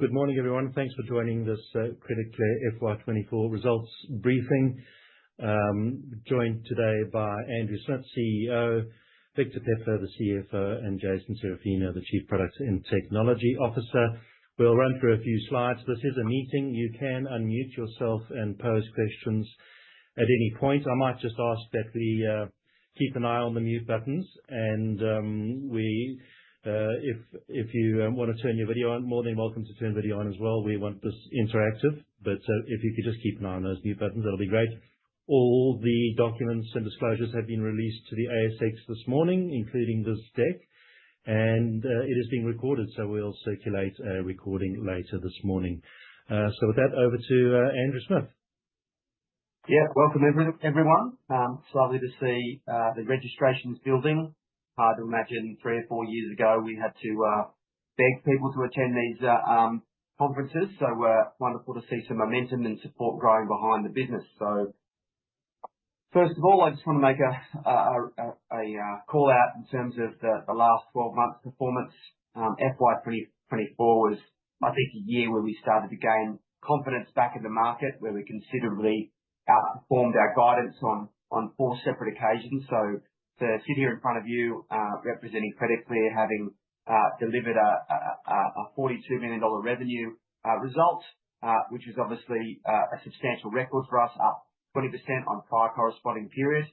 Good morning, everyone. Thanks for joining this Credit Clear FY24 results briefing. Joined today by Andrew Smith, CEO, Victor Peplow, the CFO, and Jason Serafino, the Chief Product and Technology Officer. We'll run through a few slides. This is a meeting, you can unmute yourself and pose questions at any point. I might just ask that we keep an eye on the mute buttons and if you wanna turn your video on, more than welcome to turn video on as well. We want this interactive, but if you could just keep an eye on those mute buttons, that'll be great. All the documents and disclosures have been released to the ASX this morning, including this deck, and it is being recorded, so we'll circulate a recording later this morning. So with that, over to Andrew Smith. Yeah. Welcome everyone. It's lovely to see the registrations building. Hard to imagine, three or four years ago, we had to beg people to attend these conferences, so wonderful to see some momentum and support growing behind the business. So first of all, I just want to make a call-out in terms of the last 12 months' performance. FY24 was, I think, a year where we started to gain confidence back in the market, where we considerably outperformed our guidance on four separate occasions. To sit here in front of you, representing Credit Clear, having delivered a 42 million dollar revenue result, which is obviously a substantial record for us, up 20% on prior corresponding periods,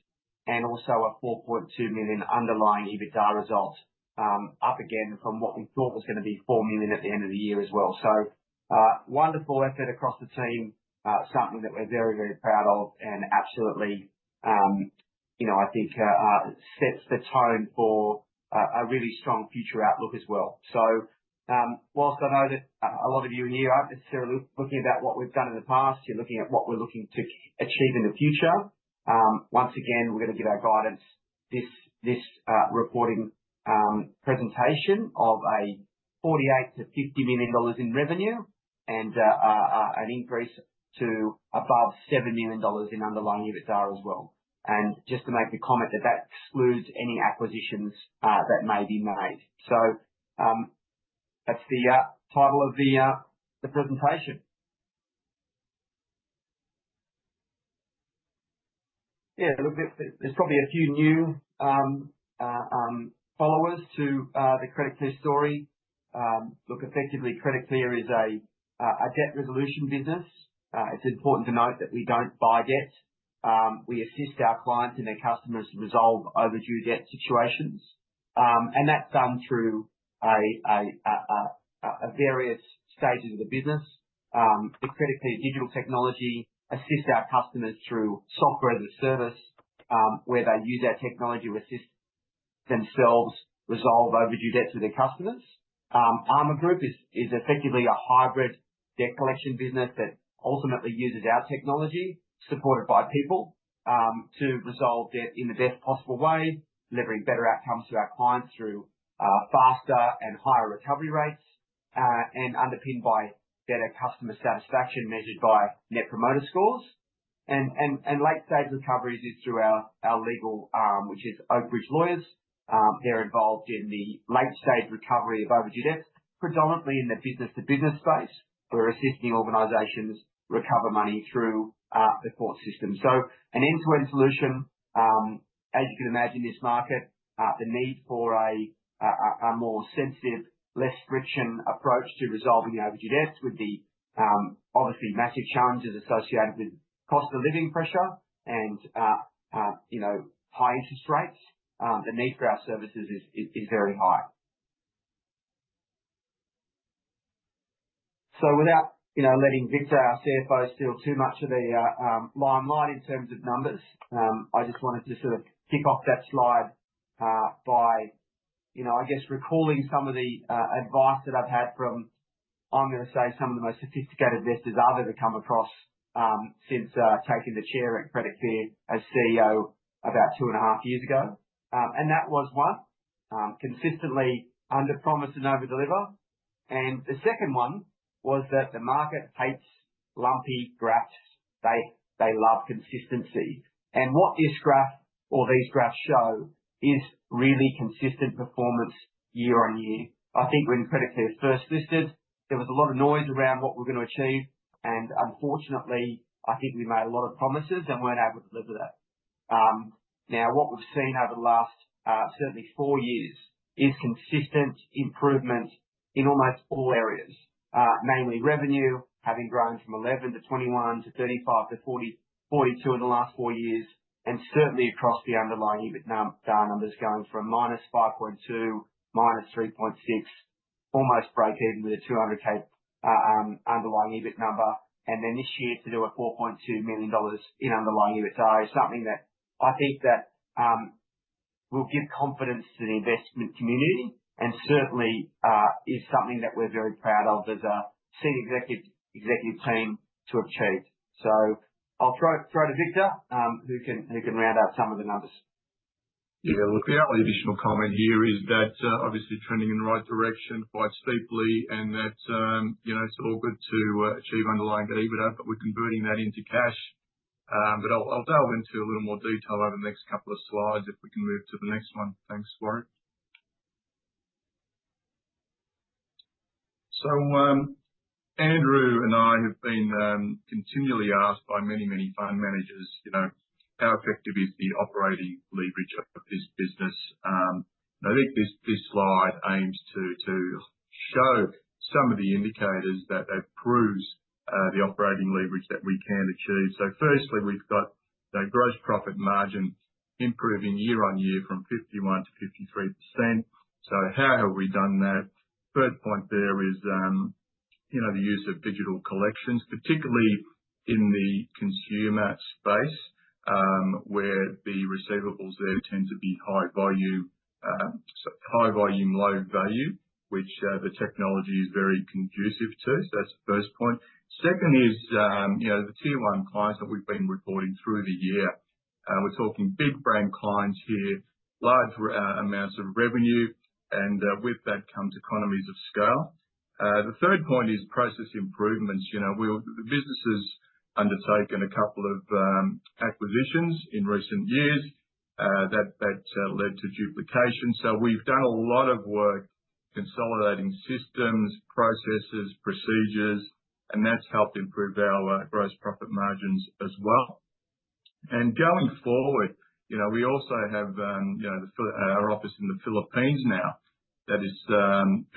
and also a 4.2 million underlying EBITDA result. Up again from what we thought was gonna be 4 million at the end of the year as well. Wonderful effort across the team, something that we're very, very proud of, and absolutely, you know, I think sets the tone for a really strong future outlook as well. Whilst I know that a lot of you in here aren't necessarily looking about what we've done in the past, you're looking at what we're looking to achieve in the future. Once again, we're gonna give our guidance this reporting presentation of 48-50 million dollars in revenue and an increase to above 7 million dollars in underlying EBITDA as well. Just to make the comment, that excludes any acquisitions that may be made. That's the title of the presentation. There's probably a few new followers to the Credit Clear story. Look, effectively, Credit Clear is a debt resolution business. It's important to note that we don't buy debt. We assist our clients and their customers resolve overdue debt situations, and that's done through various stages of the business. The Credit Clear digital technology assists our customers through software as a service, where they use our technology to assist themselves resolve overdue debts with their customers. ARMA Group is effectively a hybrid debt collection business that ultimately uses our technology, supported by people, to resolve debt in the best possible way, delivering better outcomes to our clients through faster and higher recovery rates, and underpinned by better customer satisfaction, measured by Net Promoter Scores. Late stage recoveries is through our legal, which is Oakbridge Lawyers. They're involved in the late stage recovery of overdue debts, predominantly in the business-to-business space. We're assisting organizations recover money through the court system. So an end-to-end solution. As you can imagine, this market, the need for a more sensitive, less friction approach to resolving the overdue debts with the obviously massive challenges associated with cost of living pressure and you know, high interest rates, the need for our services is very high. So without you know, letting Victor, our CFO, steal too much of the limelight in terms of numbers, I just wanted to sort of kick off that slide by you know, I guess, recalling some of the advice that I've had from, I'm gonna say, some of the most sophisticated investors I've ever come across, since taking the chair at Credit Clear as CEO about two and a half years ago. And that was one, consistently under promise and over deliver. And the second one was that the market hates lumpy graphs. They love consistency. And what this graph or these graphs show is really consistent performance year-on-year. I think when Credit Clear first listed, there was a lot of noise around what we're gonna achieve, and unfortunately, I think we made a lot of promises and weren't able to deliver that. Now, what we've seen over the last, certainly four years, is consistent improvement in almost all areas. Mainly revenue, having grown from 11 to 21, to 35, to 42 in the last four years, and certainly across the underlying EBIT numbers, going from -5.2,-3.6, almost break even with a 200k underlying EBIT number, and then this year to do 4.2 million dollars in underlying EBITDA, is something that I think that will give confidence to the investment community, and certainly is something that we're very proud of as a senior executive team to have achieved. So I'll throw to Victor, who can round out some of the numbers. Yeah. Look, the only additional comment here is that, obviously trending in the right direction quite steeply, and that, you know, it's all good to achieve underlying EBITDA, but we're converting that into cash. But I'll delve into a little more detail over the next couple of slides, if we can move to the next one. Thanks, Warrick. So, Andrew and I have been continually asked by many, many fund managers, you know, "How effective is the operating leverage of this business?" I think this slide aims to show some of the indicators that proves the operating leverage that we can achieve. So firstly, we've got the gross profit margin improving year-on-year from 51%-53%. So how have we done that? First point there is, you know, the use of digital collections, particularly in the consumer space, where the receivables there tend to be high value, high volume, low value, which the technology is very conducive to. So that's the first point. Second is, you know, the Tier 1 clients that we've been reporting through the year. We're talking big brand clients here, large amounts of revenue, and with that comes economies of scale. The third point is process improvements. You know, the business has undertaken a couple of acquisitions in recent years, that led to duplication. So we've done a lot of work consolidating systems, processes, procedures, and that's helped improve our gross profit margins as well. Going forward, you know, we also have, you know, our office in the Philippines now. That is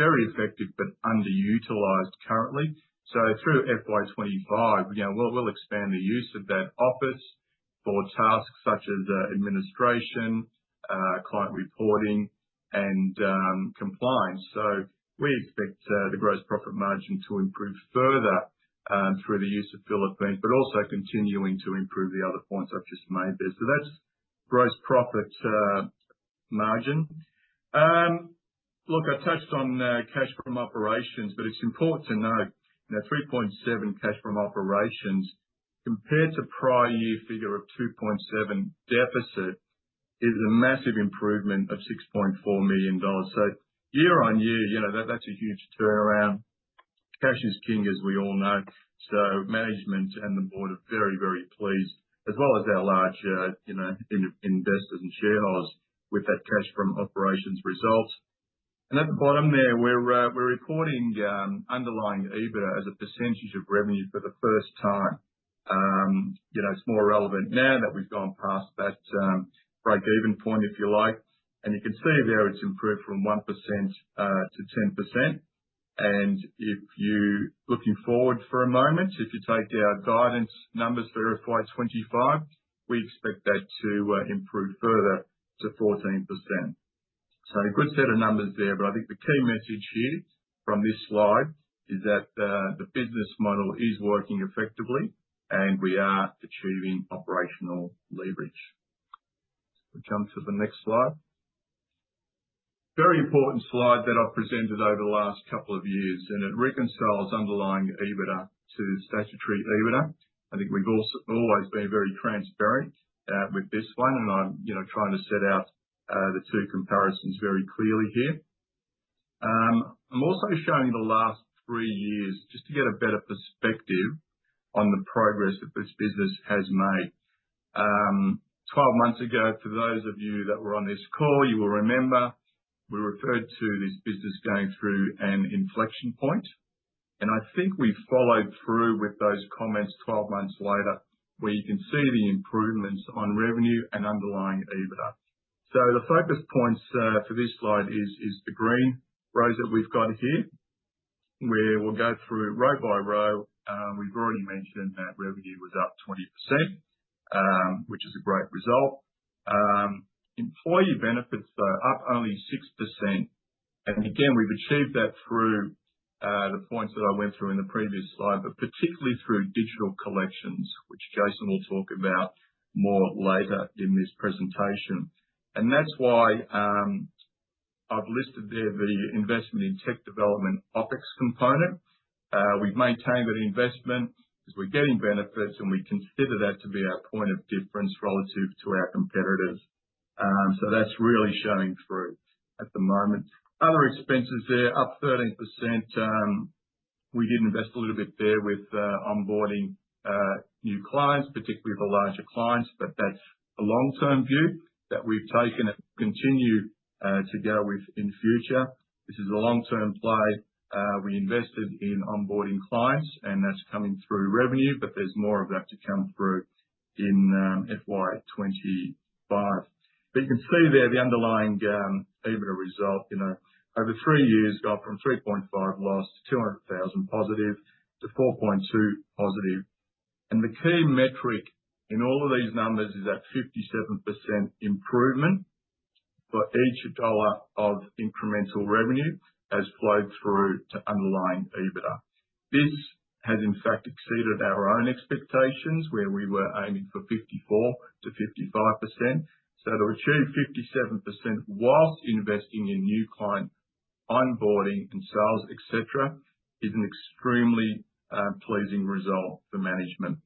very effective, but underutilized currently. Through FY25, you know, we'll expand the use of that office for tasks such as administration, client reporting, and compliance. We expect the gross profit margin to improve further through the use of Philippines, but also continuing to improve the other points I've just made there. That's gross profit margin. Look, I touched on cash from operations, but it's important to note that 3.7 cash from operations, compared to prior year figure of 2.7 deficit, is a massive improvement of 6.4 million dollars. Year-on-year, you know, that that's a huge turnaround. Cash is king, as we all know, so management and the board are very, very pleased, as well as our large, you know, investors and shareholders with that cash from operations result. At the bottom there, we're reporting underlying EBITDA as a percentage of revenue for the first time. You know, it's more relevant now that we've gone past that breakeven point, if you like. You can see there, it's improved from 1% to 10%. If you're looking forward for a moment, if you take our guidance numbers for FY 2025, we expect that to improve further to 14%. A good set of numbers there, but I think the key message here, from this slide, is that the business model is working effectively, and we are achieving operational leverage. We come to the next slide. Very important slide that I've presented over the last couple of years, and it reconciles underlying EBITDA to statutory EBITDA. I think we've always been very transparent with this one, and I'm, you know, trying to set out the two comparisons very clearly here. I'm also showing the last three years, just to get a better perspective on the progress that this business has made. 12 months ago, for those of you that were on this call, you will remember we referred to this business going through an inflection point, and I think we've followed through with those comments 12 months later, where you can see the improvements on revenue and underlying EBITDA. So the focus points for this slide is the green rows that we've got here, where we'll go through row by row. We've already mentioned that revenue was up 20%, which is a great result. Employee benefits are up only 6%, and again, we've achieved that through the points that I went through in the previous slide, but particularly through digital collections, which Jason will talk about more later in this presentation, and that's why I've listed there the investment in tech development OpEx component. We've maintained that investment, 'cause we're getting benefits, and we consider that to be our point of difference relative to our competitors, so that's really showing through at the moment. Other expenses there, up 13%, we did invest a little bit there with onboarding new clients, particularly the larger clients, but that's a long-term view that we've taken and continue to go with in future. This is a long-term play. We invested in onboarding clients, and that's coming through revenue, but there's more of that to come through in FY 2025. But you can see there, the underlying EBITDA result, you know, over three years, got from 3.5 loss to 200,000+, to 4.2+. And the key metric in all of these numbers is that 57% improvement for each dollar of incremental revenue has flowed through to underlying EBITDA. This has, in fact, exceeded our own expectations, where we were aiming for 54%-55%. So to achieve 57% whilst investing in new client onboarding and sales, et cetera, is an extremely pleasing result for management,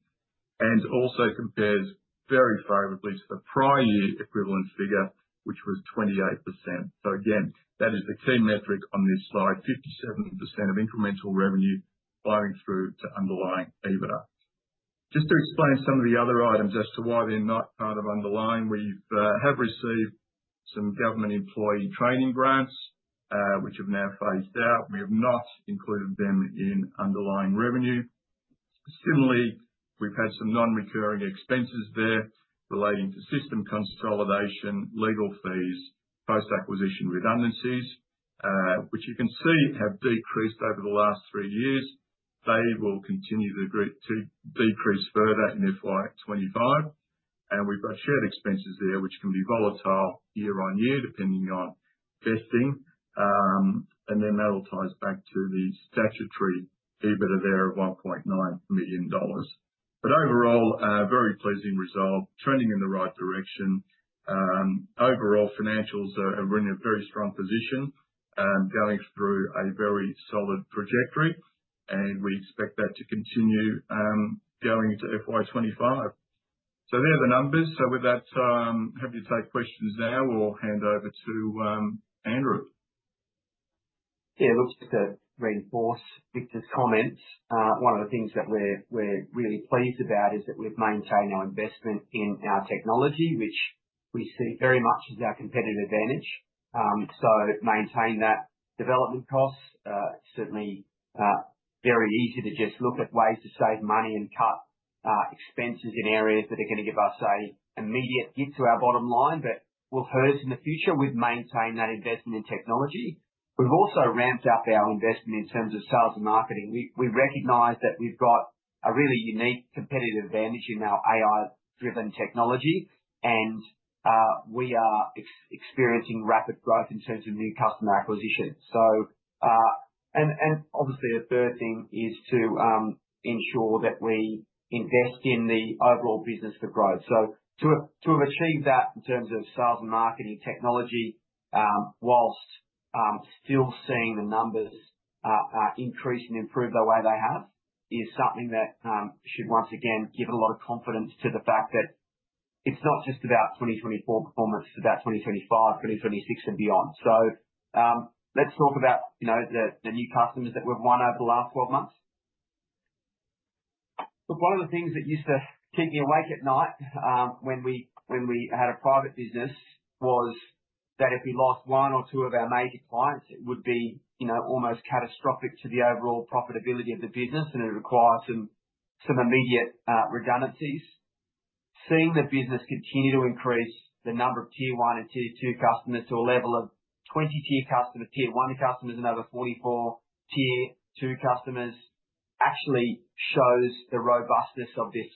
and also compares very favorably to the prior year equivalent figure, which was 28%. So again, that is the key metric on this slide, 57% of incremental revenue flowing through to underlying EBITDA. Just to explain some of the other items as to why they're not part of underlying: We've received some government employee training grants, which have now phased out. We have not included them in underlying revenue. Similarly, we've had some non-recurring expenses there relating to system consolidation, legal fees, post-acquisition redundancies, which you can see have decreased over the last three years. They will continue to decrease further in FY 2025, and we've got shared expenses there, which can be volatile year-on-year, depending on testing. And then that all ties back to the statutory EBITDA there of 1.9 million dollars. But overall, a very pleasing result, trending in the right direction. Overall financials are in a very strong position, going through a very solid trajectory, and we expect that to continue, going into FY25. So there are the numbers. So with that, happy to take questions now, or hand over to Andrew. Yeah, look, just to reinforce Victor's comments, one of the things that we're really pleased about is that we've maintained our investment in our technology, which we see very much as our competitive advantage. So maintaining that development cost certainly very easy to just look at ways to save money and cut expenses in areas that are going to give us an immediate hit to our bottom line, but will hurt us in the future. We've maintained that investment in technology. We've also ramped up our investment in terms of sales and marketing. We recognize that we've got a really unique competitive advantage in our AI-driven technology, and we are experiencing rapid growth in terms of new customer acquisition. So, and obviously a third thing is to ensure that we invest in the overall business to grow. To have achieved that in terms of sales and marketing technology, while still seeing the numbers increase and improve the way they have, is something that should once again give a lot of confidence to the fact that it's not just about 2024 performance, it's about 2025, 2026, and beyond. Let's talk about, you know, the new customers that we've won over the last 12 months. Look, one of the things that used to keep me awake at night, when we had a private business, was that if we lost one or two of our major clients, it would be, you know, almost catastrophic to the overall profitability of the business, and it would require some immediate redundancies. Seeing the business continue to increase the number of Tier 1 and Tier 2 customers to a level of 23 customers, Tier 1 customers, and over 44 Tier 2 customers, actually shows the robustness of this,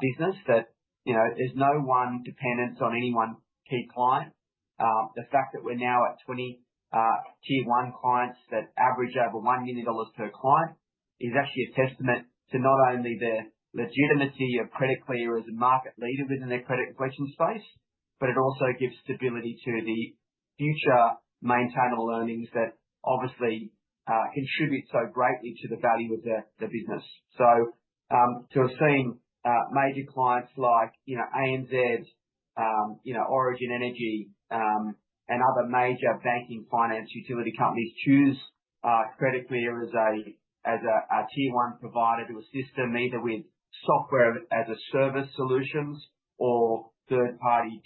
business. That, you know, there's no one dependence on any one key client. The fact that we're now at 20, Tier 1 clients, that average over 1 million dollars per client, is actually a testament to not only the legitimacy of Credit Clear as a market leader within the credit collection space, but it also gives stability to the future maintainable earnings that obviously, contribute so greatly to the value of the business. So, to have seen major clients like, you know, ANZ, you know, Origin Energy, and other major banking, finance, utility companies choose Credit Clear as a Tier 1 provider to assist them, either with software as a service solutions or third party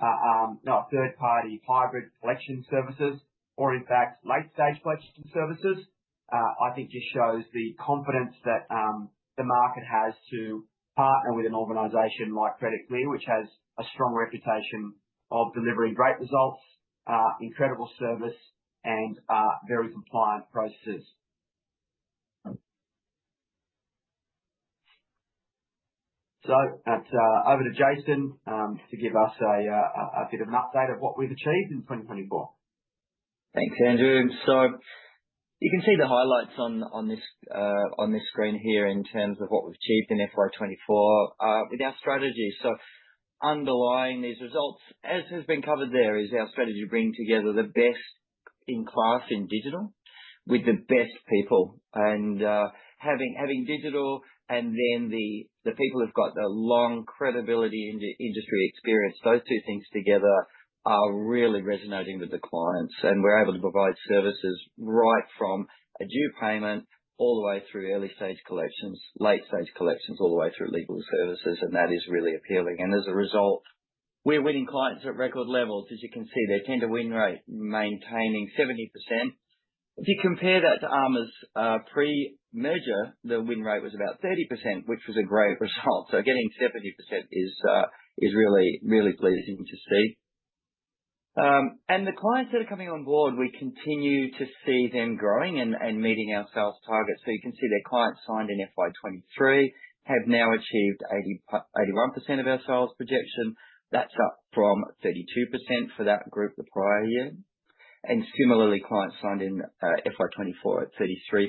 hybrid collection services, or in fact, late stage collection services, I think just shows the confidence that the market has to partner with an organization like Credit Clear, which has a strong reputation of delivering great results, incredible service, and very compliant processes. So that's over to Jason to give us a bit of an update of what we've achieved in 2024. Thanks, Andrew. You can see the highlights on this screen here, in terms of what we've achieved in FY 2024 with our strategy. Underlying these results, as has been covered there, is our strategy to bring together the best in class in digital with the best people. Having digital and then the people who've got the long credibility in the industry experience, those two things together are really resonating with the clients. We're able to provide services right from a due payment, all the way through early stage collections, late stage collections, all the way through legal services, and that is really appealing. As a result, we're winning clients at record levels. As you can see, their tender win rate maintaining 70%. If you compare that to ARMA's pre-merger, the win rate was about 30%, which was a great result. So getting 70% is really, really pleasing to see. And the clients that are coming on board, we continue to see them growing and meeting our sales targets. So you can see their clients signed in FY 2023 have now achieved 81% of our sales projection. That's up from 32% for that group the prior year, and similarly, clients signed in FY 2024 at 33%.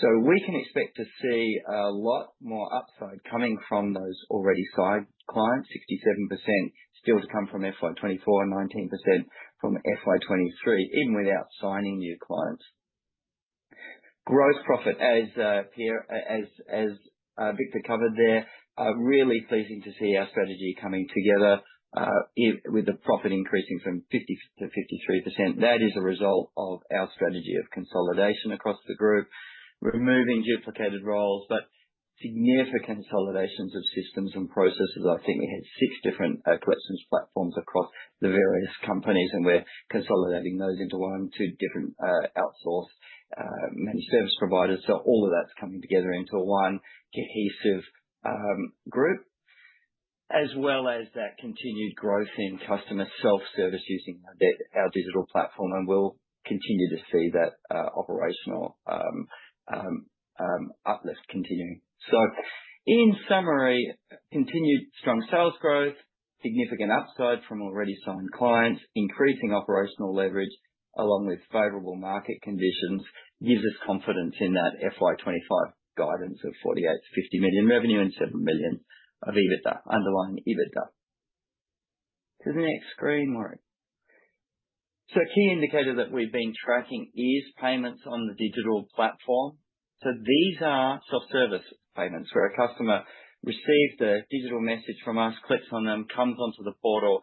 So we can expect to see a lot more upside coming from those already signed clients, 67% still to come from FY 2024, 19% from FY 2023, even without signing new clients... Gross profit, as per Victor covered there, really pleasing to see our strategy coming together, with the profit increasing from 50 to 53%. That is a result of our strategy of consolidation across the group, removing duplicated roles, but significant consolidations of systems and processes. I think we had 6 different collections platforms across the various companies, and we're consolidating those into one. Two different outsourced managed service providers. So all of that's coming together into one cohesive group, as well as that continued growth in customer self-service using our digital platform, and we'll continue to see that operational uplift continuing. So in summary, continued strong sales growth, significant upside from already signed clients, increasing operational leverage, along with favorable market conditions, gives us confidence in that FY25 guidance of 48-50 million revenue and 7 million of EBITDA, underlying EBITDA. To the next screen. So a key indicator that we've been tracking is payments on the digital platform. So these are self-service payments, where a customer receives the digital message from us, clicks on them, comes onto the portal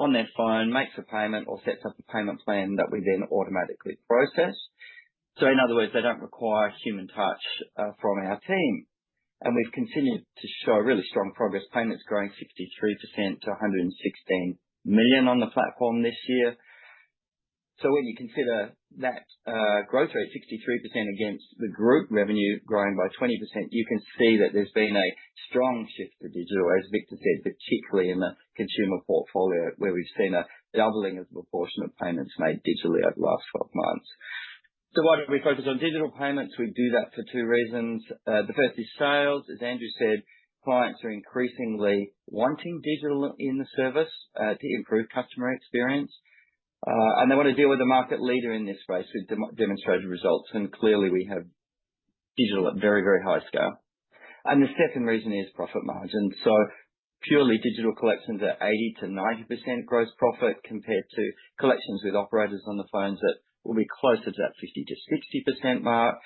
on their phone, makes a payment, or sets up a payment plan that we then automatically process. So in other words, they don't require human touch from our team. And we've continued to show really strong progress, payments growing 63% to 116 million on the platform this year. So when you consider that, growth rate, 63%, against the group revenue growing by 20%, you can see that there's been a strong shift to digital, as Victor said, but chiefly in the consumer portfolio, where we've seen a doubling of the proportion of payments made digitally over the last 12 months. So why do we focus on digital payments? We do that for two reasons. The first is sales. As Andrew said, clients are increasingly wanting digital in the service, to improve customer experience, and they want to deal with a market leader in this space, who demonstrates results, and clearly we have digital at very, very high scale. And the second reason is profit margin. Purely digital collections are 80%-90% gross profit, compared to collections with operators on the phones, that will be closer to that 50%-60% mark.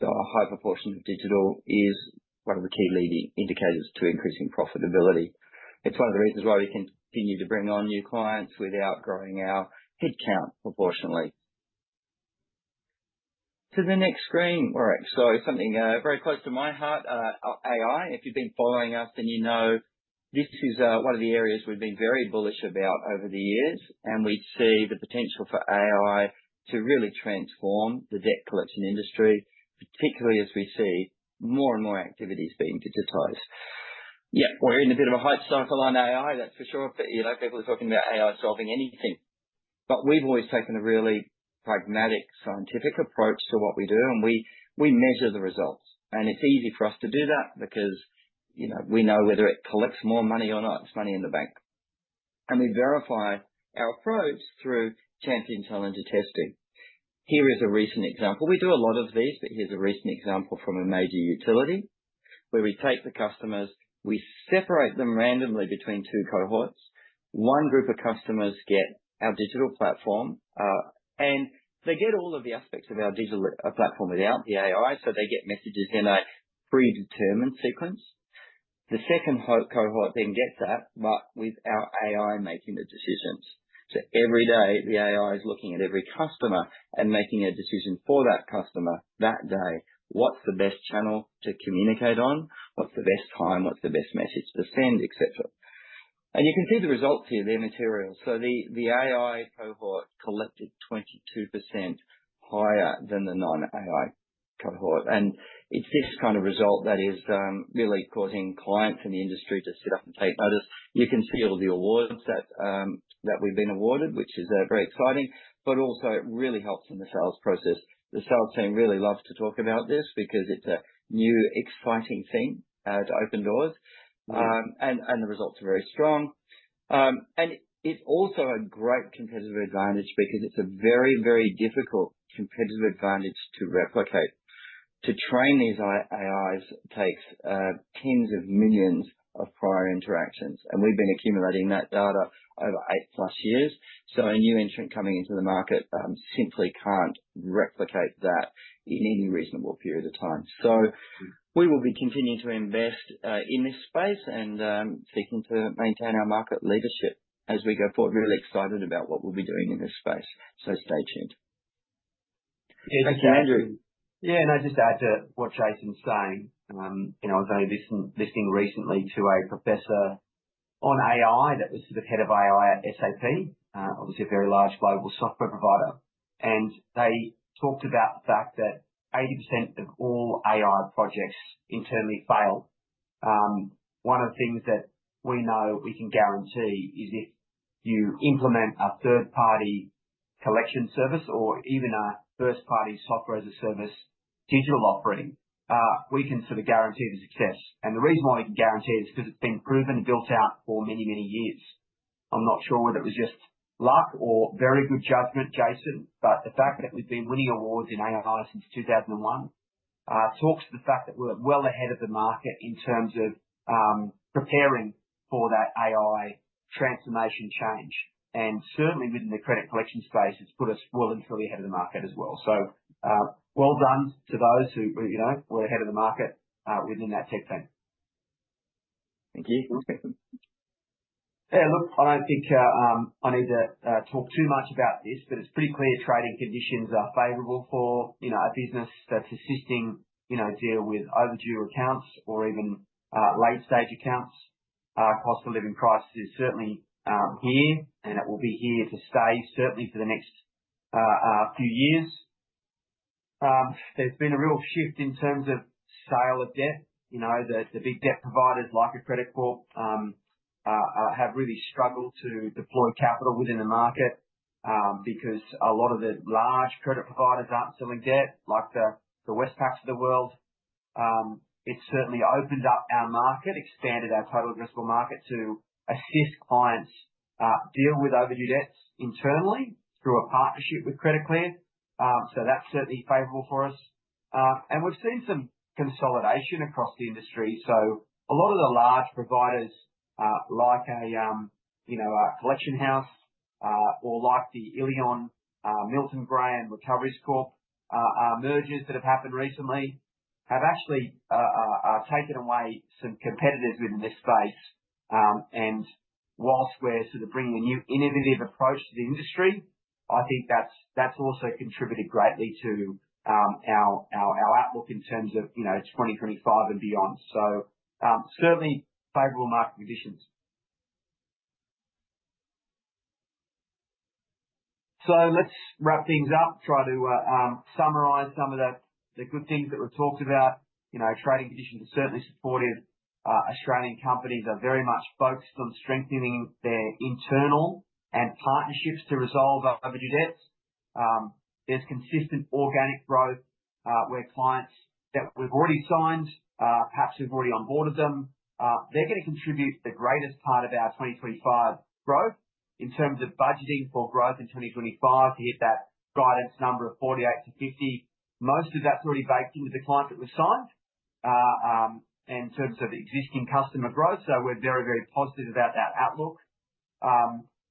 A high proportion of digital is one of the key leading indicators to increasing profitability. It's one of the reasons why we continue to bring on new clients without growing our headcount proportionately. To the next screen. All right, so something very close to my heart, AI. If you've been following us, then you know, this is one of the areas we've been very bullish about over the years, and we see the potential for AI to really transform the debt collection industry, particularly as we see more and more activities being digitized. Yeah, we're in a bit of a hype cycle on AI, that's for sure, but you know, people are talking about AI solving anything, but we've always taken a really pragmatic, scientific approach to what we do, and we measure the results, and it's easy for us to do that because you know, we know whether it collects more money or not, it's money in the bank, and we verify our approach through champion-challenger testing. Here is a recent example. We do a lot of these, but here's a recent example from a major utility, where we take the customers, we separate them randomly between two cohorts. One group of customers get our digital platform, and they get all of the aspects of our digital platform without the AI, so they get messages in a predetermined sequence. The second cohort then gets that, but with our AI making the decisions. So every day, the AI is looking at every customer and making a decision for that customer, that day. What's the best channel to communicate on? What's the best time? What's the best message to send? Et cetera. And you can see the results here, they're material. So the AI cohort collected 22% higher than the non-AI cohort. And it's this kind of result that is really causing clients in the industry to sit up and take notice. You can see all the awards that we've been awarded, which is very exciting, but also it really helps in the sales process. The sales team really loves to talk about this, because it's a new, exciting thing to open doors, and the results are very strong. And it's also a great competitive advantage because it's a very, very difficult competitive advantage to replicate. To train these AIs takes tens of millions of prior interactions, and we've been accumulating that data over 8+ years. So a new entrant coming into the market simply can't replicate that in any reasonable period of time. So we will be continuing to invest in this space, and seeking to maintain our market leadership as we go forward. Really excited about what we'll be doing in this space, so stay tuned. Thank you, Andrew. Yeah, and I'd just add to what Jason's saying, you know, I was only listening recently to a professor on AI, that was the head of AI at SAP, obviously a very large global software provider, and they talked about the fact that 80% of all AI projects internally fail. One of the things that we know we can guarantee is if you implement a third-party collection service or even a first-party software-as-a-service digital offering, we can sort of guarantee the success. And the reason why we can guarantee it is 'cause it's been proven and built out for many, many years. I'm not sure whether it was just luck or very good judgment, Jason, but the fact that we've been winning awards in AI since 2001... Talks to the fact that we're well ahead of the market in terms of preparing for that AI transformation change, and certainly within the credit collection space, it's put us well and truly ahead of the market as well. So well done to those who, you know, we're ahead of the market within that tech team. Thank you. Next question. Yeah, look, I don't think I need to talk too much about this, but it's pretty clear trading conditions are favorable for, you know, a business that's assisting, you know, deal with overdue accounts or even late stage accounts. Cost of living crisis is certainly here, and it will be here to stay, certainly for the next few years. There's been a real shift in terms of sale of debt. You know, the big debt providers, like a Credit Corp, have really struggled to deploy capital within the market, because a lot of the large credit providers aren't selling debt, like the Westpac of the world. It's certainly opened up our market, expanded our total addressable market to assist clients deal with overdue debts internally through a partnership with Credit Clear. So that's certainly favorable for us. And we've seen some consolidation across the industry. So a lot of the large providers, like, you know, a Collection House, or like the Illion, Milton Graham, Recoveriescorp, mergers that have happened recently, have actually taken away some competitors within this space. And whilst we're sort of bringing a new innovative approach to the industry, I think that's also contributed greatly to our outlook in terms of, you know, 2025 and beyond. So certainly favorable market conditions. So let's wrap things up. Try to summarize some of the good things that were talked about. You know, trading conditions are certainly supportive. Australian companies are very much focused on strengthening their internal and partnerships to resolve overdue debts. There's consistent organic growth, where clients that we've already signed, perhaps we've already onboarded them, they're gonna contribute the greatest part of our 2025 growth. In terms of budgeting for growth in 2025, to hit that guidance number of 48-50, most of that's already baked into the client that we've signed, in terms of existing customer growth, so we're very, very positive about that outlook.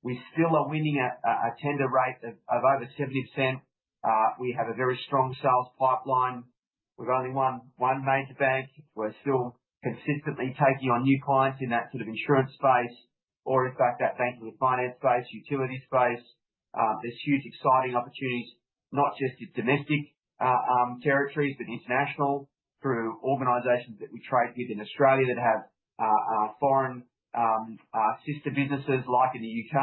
We still are winning at a tender rate of over 70%. We have a very strong sales pipeline. We've only won one major bank. We're still consistently taking on new clients in that sort of insurance space, or in fact, that banking and finance space, utility space. There's huge, exciting opportunities, not just in domestic territories, but international, through organizations that we trade with in Australia that have foreign sister businesses, like in the UK.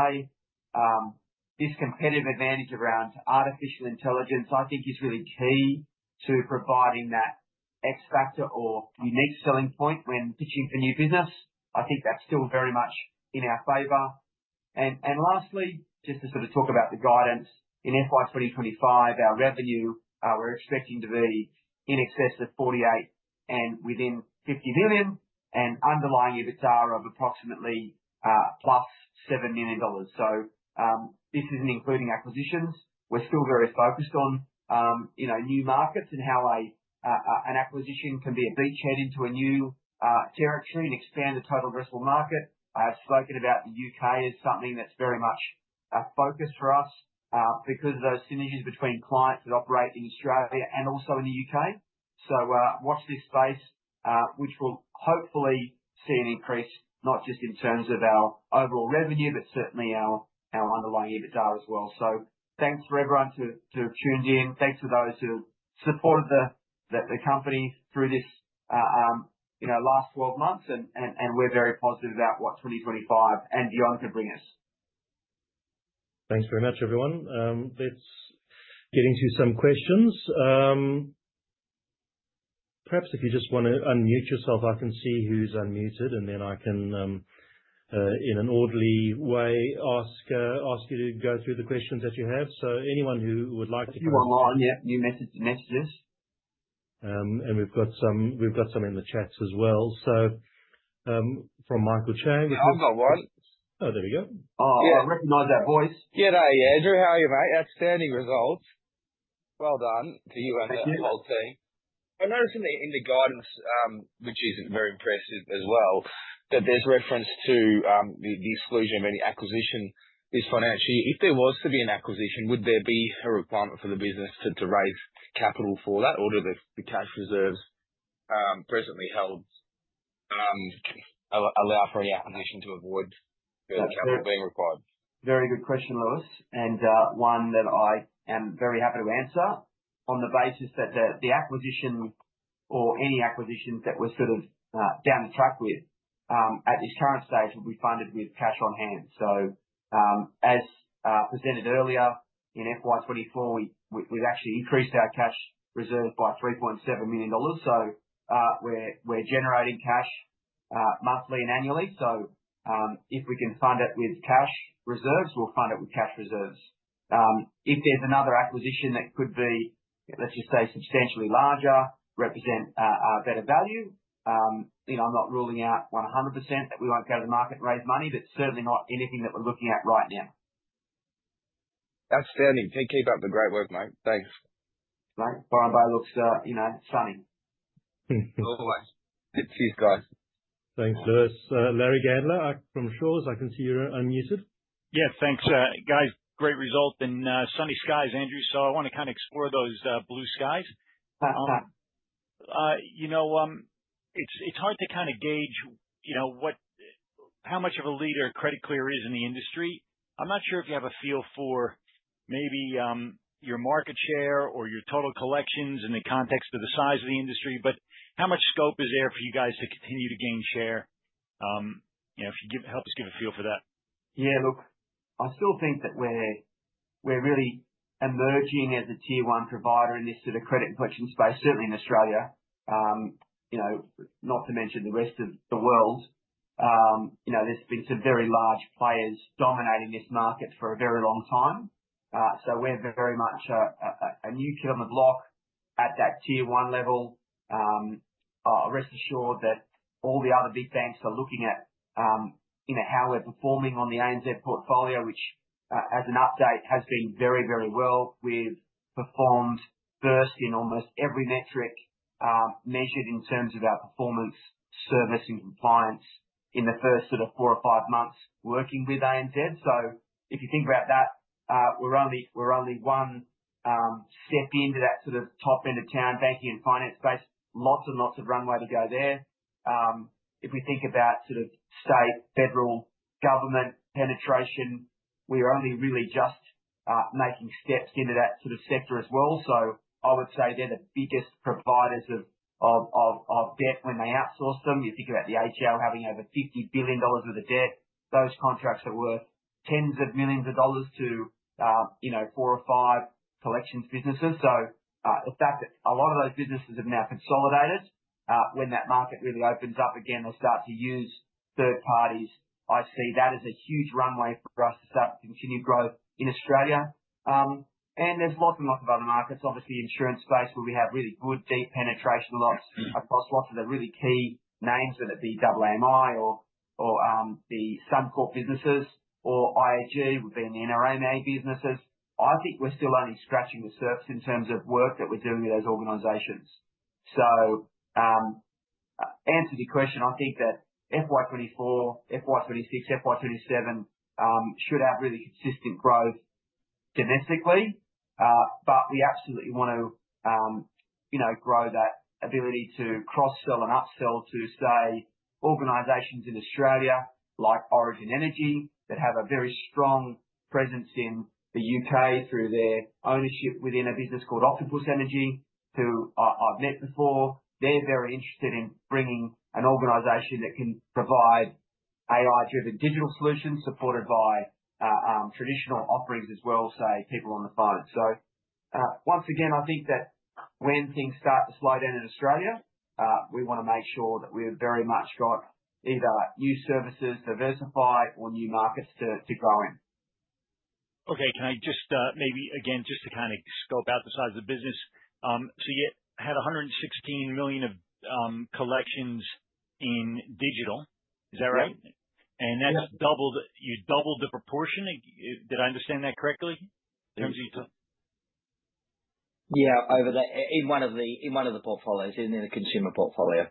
This competitive advantage around artificial intelligence, I think is really key to providing that X factor or unique selling point when pitching for new business. I think that's still very much in our favor. And lastly, just to sort of talk about the guidance, in FY 2025, our revenue, we're expecting to be in excess of 48 million and within 50 million, and underlying EBITDA of approximately +7 million dollars. So, this isn't including acquisitions. We're still very focused on, you know, new markets, and how an acquisition can be a beachhead into a new territory and expand the total addressable market. I have spoken about the U.K. as something that's very much a focus for us, because of those synergies between clients that operate in Australia and also in the U.K. So, watch this space, which will hopefully see an increase, not just in terms of our overall revenue, but certainly our underlying EBITDA as well. So thanks for everyone who tuned in. Thanks to those who supported the company through this, you know, last 12 months, and we're very positive about what 2025 and beyond can bring us. Thanks very much, everyone. Let's get into some questions. Perhaps if you just wanna unmute yourself, I can see who's unmuted, and then I can, in an orderly way, ask you to go through the questions that you have. So anyone who would like to come online- If you are online, yeah, you message us. And we've got some in the chats as well. So, from Michael Chang- I've got one. Oh, there we go. Oh, I recognize that voice. G'day, Andrew. How are you, mate? Outstanding results. Well done to you. Thank you... and the whole team. I noticed in the guidance, which is very impressive as well, that there's reference to the exclusion of any acquisition this financial year. If there was to be an acquisition, would there be a requirement for the business to raise capital for that, or do the cash reserves presently held allow for any acquisition to avoid the capital being required? Very good question, Lewis, and one that I am very happy to answer. On the basis that the acquisition, or any acquisitions that we're sort of down the track with, at this current stage, will be funded with cash on hand. So, as presented earlier, in FY24, we've actually increased our cash reserve by 3.7 million dollars. So, we're generating cash monthly and annually. So, if we can fund it with cash reserves, we'll fund it with cash reserves. If there's another acquisition that could be, let's just say, substantially larger, represent a better value, you know, I'm not ruling out 100% that we won't go to the market and raise money, but certainly not anything that we're looking at right now.... Outstanding! Keep, keep up the great work, mate. Thanks. Right. Bye-bye, looks, you know, sunny. Always. Good to see you guys. Thanks to us. Larry Gandler, from Shaw and Partners. I can see you're unmuted. Yeah, thanks, guys. Great result, and sunny skies, Andrew, so I want to kind of explore those blue skies. Uh-huh. You know, it's hard to kind of gauge, you know, what, how much of a leader Credit Clear is in the industry. I'm not sure if you have a feel for maybe your market share or your total collections in the context of the size of the industry, but how much scope is there for you guys to continue to gain share? You know, if you give help us get a feel for that. Yeah, look, I still think that we're really emerging as a Tier 1 provider in this sort of credit collection space, certainly in Australia. You know, not to mention the rest of the world. You know, there's been some very large players dominating this market for a very long time. So we're very much a newcomer at that Tier 1 level. Rest assured that all the other big banks are looking at you know how we're performing on the ANZ portfolio, which, as an update, has been very, very well. We've performed first in almost every metric measured in terms of our performance, service, and compliance in the first sort of four or five months working with ANZ. So if you think about that, we're only one step into that sort of top end of town banking and finance space. Lots and lots of runway to go there. If we think about sort of state, federal, government penetration, we are making steps into that sort of sector as well. So I would say they're the biggest providers of debt when they outsource them. You think about the ATO having over 50 billion dollars worth of debt. Those contracts are worth tens of millions of dollars to, you know, four or five collections businesses. So, the fact that a lot of those businesses have now consolidated, when that market really opens up again, they'll start to use third parties. I see that as a huge runway for us to start to continue growth in Australia. And there's lots and lots of other markets, obviously insurance space, where we have really good, deep penetration lots, across lots of the really key names, whether it be AAMI or the Suncorp businesses or IAG within the NRMA businesses. I think we're still only scratching the surface in terms of work that we're doing with those organizations. So, to answer your question, I think that FY 2024, FY 2026, FY 2027 should have really consistent growth domestically. But we absolutely want to, you know, grow that ability to cross-sell and upsell to, say, organizations in Australia, like Origin Energy, that have a very strong presence in the UK through their ownership within a business called Octopus Energy, who I've met before. They're very interested in bringing an organization that can provide AI-driven digital solutions supported by, traditional offerings as well, say, people on the phone, so once again, I think that when things start to slow down in Australia, we wanna make sure that we've very much got either new services, diversify, or new markets to grow in. Okay. Can I just, maybe again, just to kind of scope out the size of the business. So you had 116 million of collections in digital, is that right? Yeah. And that's doubled. You doubled the proportion? Did I understand that correctly, in terms of- In one of the portfolios, in the consumer portfolio.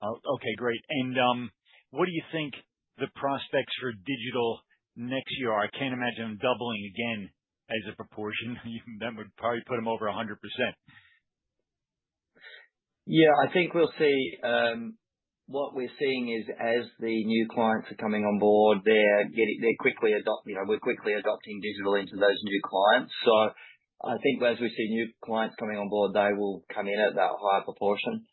Oh, okay, great. And what do you think the prospects for digital next year are? I can't imagine doubling again as a proportion. That would probably put them over 100%. Yeah, I think we'll see... what we're seeing is, as the new clients are coming on board, they're quickly adopting digital into those new clients. So I think as we see new clients coming on board, they will come in at that higher proportion.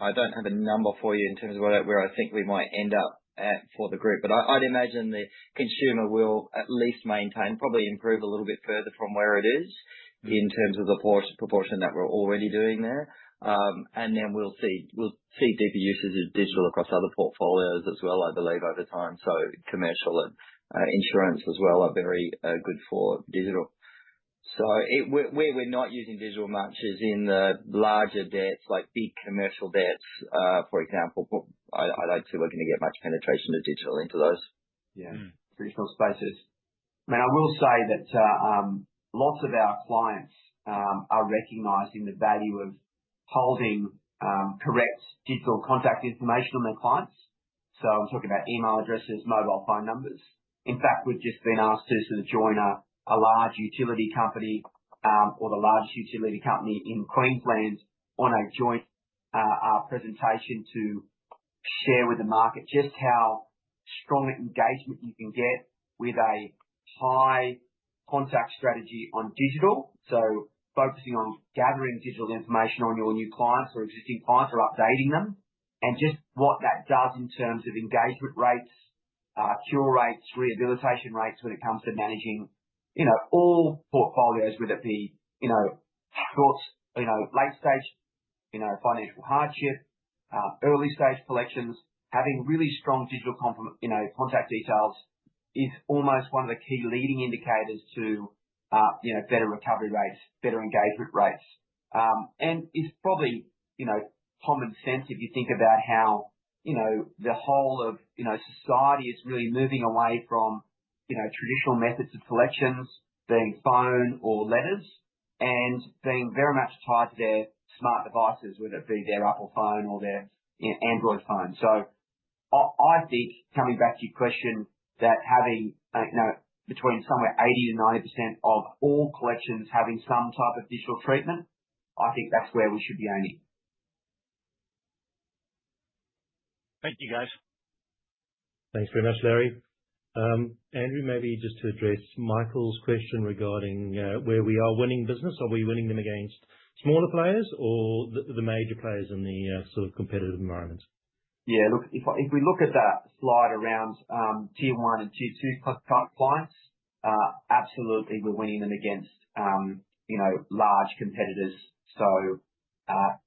I don't have a number for you in terms of where I think we might end up at for the group, but I'd imagine the consumer will at least maintain, probably improve a little bit further from where it is, in terms of the proportion that we're already doing there. And then we'll see deeper uses of digital across other portfolios as well, I believe, over time, so commercial and insurance as well are very good for digital. So we're not using digital much as in the larger debts, like big commercial debts, for example, but I don't see we're going to get much penetration of digital into those- Yeah. - traditional spaces. Now, I will say that, lots of our clients, are recognizing the value of holding, correct digital contact information on their clients. So I'm talking about email addresses, mobile phone numbers. In fact, we've just been asked to sort of join a large utility company, or the largest utility company in Queensland, on a joint presentation to share with the market just how strong engagement you can get with a high contact strategy on digital. So focusing on gathering digital information on your new clients or existing clients, or updating them, and just what that does in terms of engagement rates, cure rates, rehabilitation rates, when it comes to managing, you know, all portfolios, whether it be, you know, short, you know, late stage, you know, financial hardship, early stage collections. Having really strong digital contact details is almost one of the key leading indicators to, you know, better recovery rates, better engagement rates. And it's probably, you know, common sense if you think about how, you know, the whole of, you know, society is really moving away from, you know, traditional methods of collections, being phone or letters, and being very much tied to their smart devices, whether it be their Apple phone or their Android phone. So I think, coming back to your question, that having, you know, between somewhere 80 and 90% of all collections having some type of digital treatment, I think that's where we should be aiming. Thank you, guys. Thanks very much, Larry. Andrew, maybe just to address Michael's question regarding where we are winning business. Are we winning them against smaller players or the major players in the sort of competitive environment? Yeah, look, if we look at that slide around Tier 1 and Tier 2 clients, absolutely, we're winning them against, you know, large competitors. So,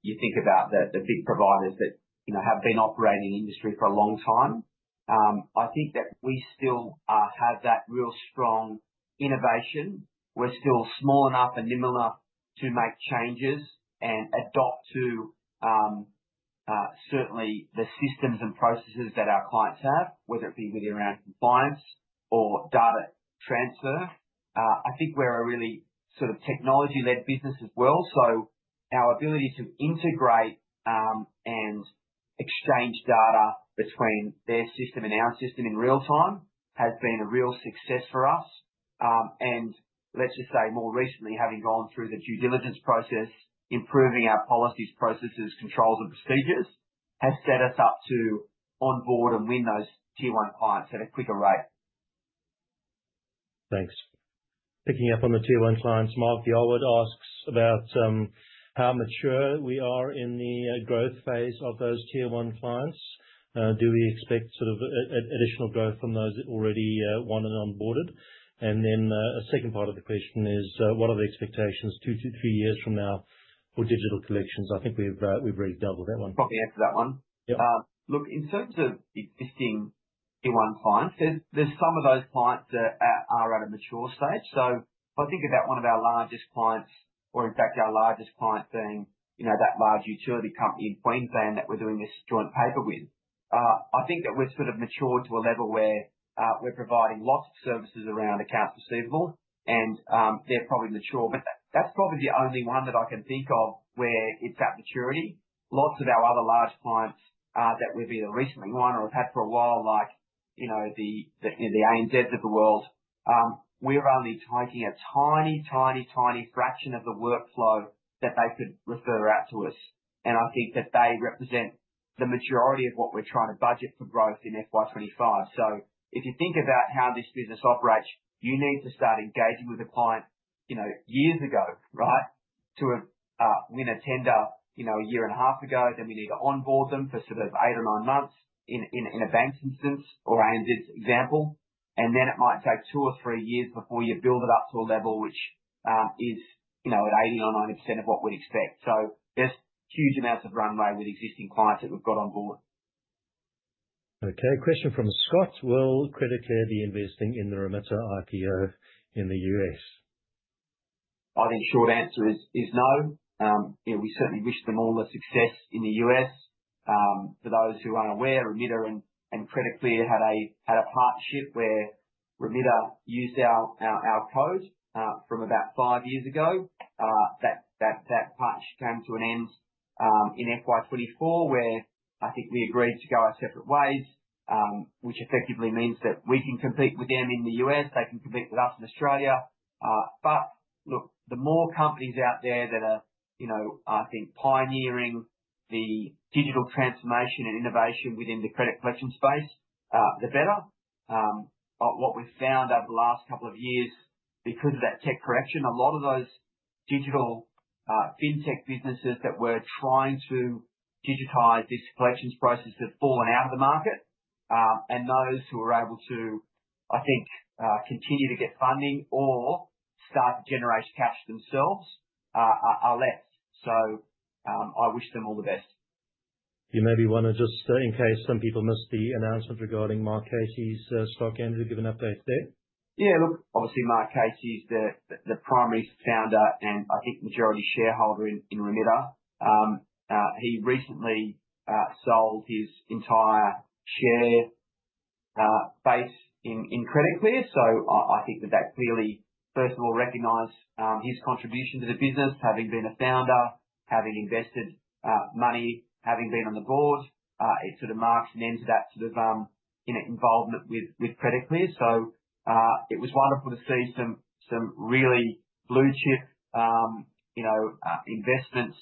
you think about the big providers that, you know, have been operating in the industry for a long time, I think that we still have that real strong innovation. We're still small enough and nimble enough to make changes and adopt to certainly the systems and processes that our clients have, whether it be with around compliance or data transfer. I think we're a really sort of technology-led business as well, so our ability to integrate and exchange data between their system and our system in real time has been a real success for us. And let's just say, more recently, having gone through the due diligence process, improving our policies, processes, controls, and procedures, has set us up to onboard and win those Tier 1 clients at a quicker rate. Thanks. Picking up on the Tier 1 clients, Mark Yolward asks about how mature we are in the growth phase of those Tier 1 clients. Do we expect sort of additional growth from those that already won and onboarded? And then, a second part of the question is, what are the expectations two to three years from now for digital collections? I think we've already dealt with that one. Probably answer that one. Yep. Look, in terms of existing Tier 1 clients, there's some of those clients that are at a mature stage. So if I think about one of our largest clients, or in fact, our largest client being, you know, that large utility company in Queensland that we're doing this joint paper with, I think that we're sort of mature to a level where, we're providing lots of services around accounts receivable, and they're probably mature. But that's probably the only one that I can think of, where it's at maturity. Lots of our other large clients that we've either recently won or have had for a while, like, you know, the ANZs of the world, we're only taking a tiny, tiny, tiny fraction of the workflow that they could refer out to us, and I think that they represent the majority of what we're trying to budget for growth in FY25. So if you think about how this business operates, you need to start engaging with the client, you know, years ago, right? To win a tender, you know, a year and a half ago, then we need to onboard them for sort of eight or nine months in a bank's instance, or ANZ's example, and then it might take two or three years before you build it up to a level which is, you know, at 80%-99% of what we'd expect. So there's huge amounts of runway with existing clients that we've got on board. Okay, question from Scott: Will Credit Clear be investing in the Remitter IPO in the U.S.? I think the short answer is no. You know, we certainly wish them all the success in the U.S. For those who aren't aware, Remitter and Credit Clear had a partnership where Remitter used our code from about five years ago. That partnership came to an end in FY24, where I think we agreed to go our separate ways, which effectively means that we can compete with them in the U.S., they can compete with us in Australia. But look, the more companies out there that are, you know, I think, pioneering the digital transformation and innovation within the credit collection space, the better. What we've found over the last couple of years, because of that tech correction, a lot of those digital fintech businesses that were trying to digitize this collections process have fallen out of the market. And those who are able to, I think, continue to get funding or start to generate cash themselves, are less. So, I wish them all the best. You maybe want to just, in case some people missed the announcement regarding Mark Casey's stock, Andrew, give an update there? Yeah. Look, obviously, Mark Casey is the primary founder and, I think, majority shareholder in Remitter. He recently sold his entire share base in Credit Clear. So I think that clearly, first of all, recognized his contribution to the business, having been a founder, having invested money, having been on the board. It sort of marks an end to that sort of, you know, involvement with Credit Clear. So it was wonderful to see some really blue chip, you know, investments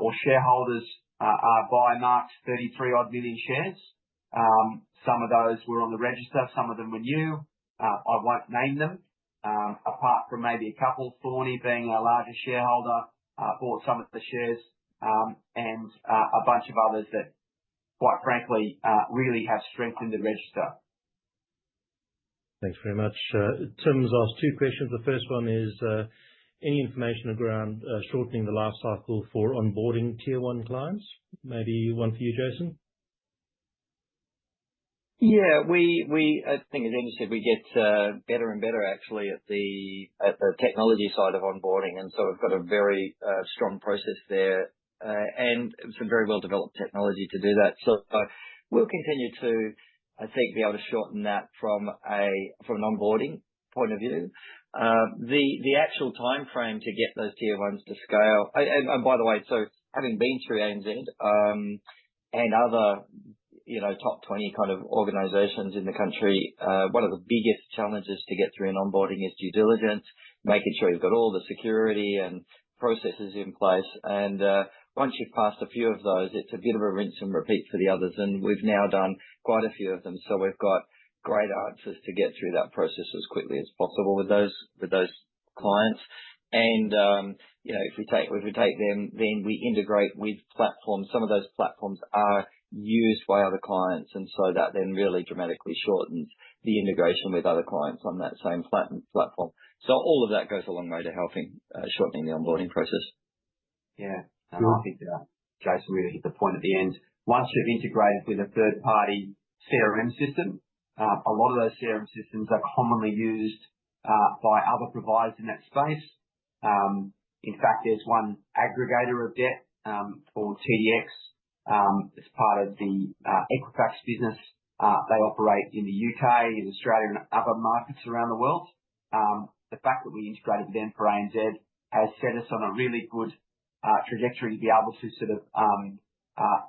or shareholders buy Mark's 33 odd million shares. Some of those were on the register, some of them were new. I won't name them apart from maybe a couple. Thorney being our largest shareholder, bought some of the shares, and a bunch of others that, quite frankly, really have strengthened the register. Thanks very much. Tim's asked two questions. The first one is: Any information around shortening the last cycle for onboarding Tier 1 clients? Maybe one for you, Jason. Yeah, we, I think as Andrew said, we get better and better actually at the technology side of onboarding, and so we've got a very strong process there, and some very well developed technology to do that. So, we'll continue to, I think, be able to shorten that from an onboarding point of view. The actual timeframe to get those Tier 1s to scale. And by the way, so having been through ANZ, and other, you know, top 20 kind of organizations in the country, one of the biggest challenges to get through an onboarding is due diligence, making sure you've got all the security and processes in place. Once you've passed a few of those, it's a bit of a rinse and repeat for the others, and we've now done quite a few of them, so we've got great answers to get through that process as quickly as possible with those clients. You know, if we take them, then we integrate with platforms. Some of those platforms are used by other clients, and so that then really dramatically shortens the integration with other clients on that same platform. So all of that goes a long way to helping shortening the onboarding process. Yeah. And I think, Jason really hit the point at the end. Once you've integrated with a third party CRM system, a lot of those CRM systems are commonly used, by other providers in that space. In fact, there's one aggregator of debt, called TDX, it's part of the, Equifax business. They operate in the U.K., in Australia, and other markets around the world. The fact that we integrated with them for ANZ, has set us on a really good, trajectory to be able to sort of,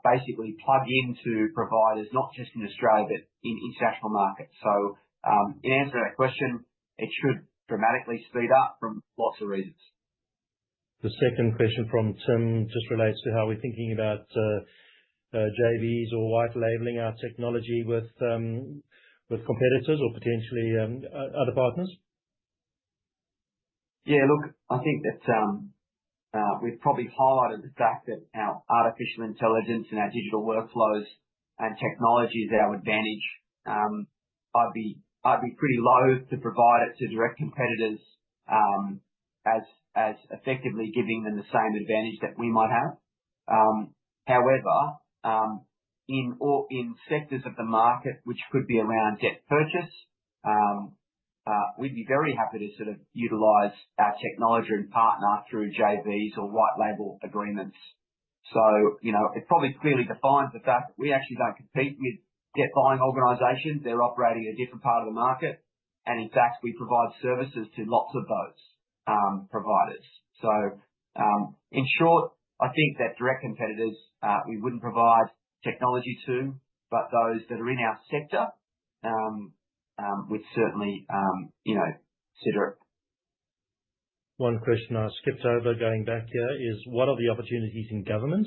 basically plug into providers, not just in Australia, but in international markets. So, in answer to that question, it should dramatically speed up for lots of reasons. The second question from Tim just relates to how we're thinking about JVs or white labeling our technology with competitors or potentially other partners. Yeah, look, I think that, we've probably highlighted the fact that our artificial intelligence and our digital workflows and technology is our advantage. I'd be pretty loath to provide it to direct competitors, as effectively giving them the same advantage that we might have. However, in sectors of the market, which could be around debt purchase, we'd be very happy to sort of utilize our technology and partner through JVs or white label agreements. So, you know, it probably clearly defines the fact that we actually don't compete with debt buying organizations. They're operating a different part of the market, and in fact, we provide services to lots of those providers. So, in short, I think that direct competitors, we wouldn't provide technology to, but those that are in our sector, we'd certainly, you know, consider it. One question I skipped over going back here is: What are the opportunities in government,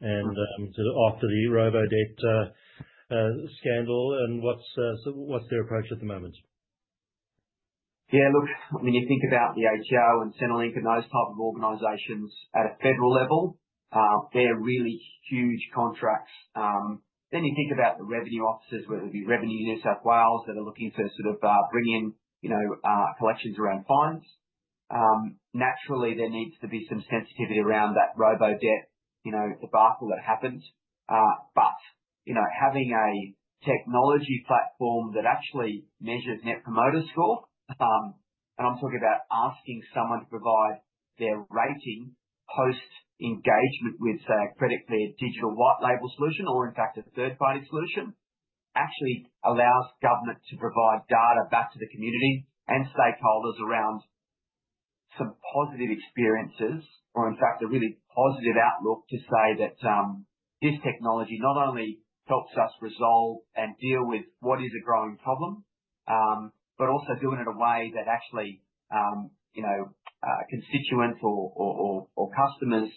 and sort of after the Robodebt scandal, and so what's their approach at the moment? Yeah, look, when you think about the ATO and Centrelink and those type of organizations at a federal level, they're really huge contracts. Then you think about the revenue officers, whether it be Revenue New South Wales, that are looking to sort of bring in, you know, collections around fines. Naturally, there needs to be some sensitivity around that Robodebt, you know, debacle that happened. But, you know, having a technology platform that actually measures Net Promoter Score, and I'm talking about asking someone to provide their rating, post-engagement with, say, a Credit Clear digital white label solution, or in fact a third party solution, actually allows government to provide data back to the community and stakeholders around some positive experiences, or in fact, a really positive outlook to say that, this technology not only helps us resolve and deal with what is a growing problem, but also doing it in a way that actually, you know, constituents or customers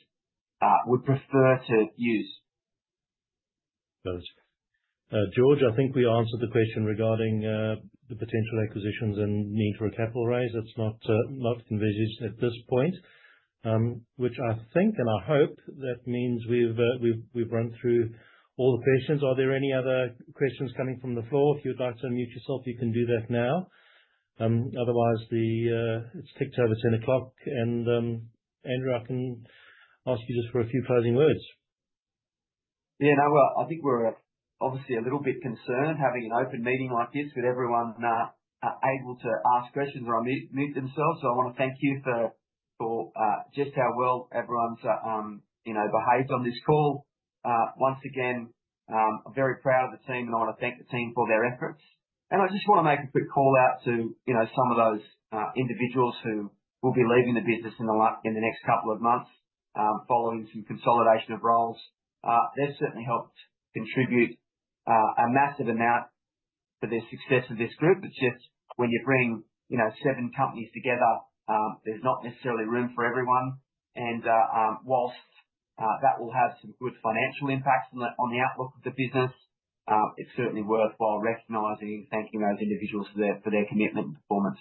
would prefer to use. Thanks. George, I think we answered the question regarding the potential acquisitions and need for a capital raise. That's not envisaged at this point. Which I think and I hope that means we've run through all the questions. Are there any other questions coming from the floor? If you'd like to unmute yourself, you can do that now. Otherwise... It's ticked over 10 o'clock, and Andrew, I can ask you just for a few closing words. Yeah, no, well, I think we're obviously a little bit concerned, having an open meeting like this, with everyone able to ask questions or unmute themselves, so I wanna thank you for just how well everyone's, you know, behaved on this call. Once again, I'm very proud of the team, and I want to thank the team for their efforts. And I just wanna make a quick call-out to, you know, some of those individuals who will be leaving the business in the next couple of months, following some consolidation of roles. They've certainly helped contribute a massive amount to the success of this group. It's just, when you bring, you know, seven companies together, there's not necessarily room for everyone. While that will have some good financial impacts on the outlook of the business, it's certainly worthwhile recognizing and thanking those individuals for their commitment and performance.